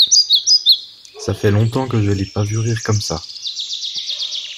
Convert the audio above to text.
Ça fait longtemps que je l’ai pas vu rire comme ça.